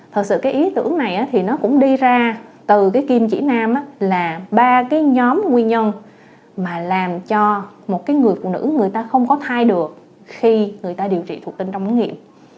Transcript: thật sự cái ý tưởng này thì nó cũng đi ra từ cái kim chỉ nam là ba cái nhóm nguyên nhân mà làm cho một cái người phụ nữ người ta không có thai được khi người ta điều trị thục tinh trong ống nghiệm